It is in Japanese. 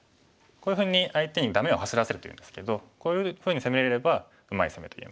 こういうふうに相手にダメを走らせるというんですけどこういうふうに攻めれればうまい攻めと言えます。